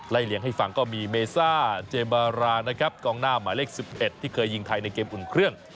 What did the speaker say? เลี้ยงให้ฟังก็มีเมซ่าเจมบารานะครับกองหน้าหมายเลข๑๑ที่เคยยิงไทยในเกมอุ่นเครื่อง